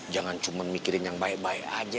jangan cuma mikirin yang baik baik aja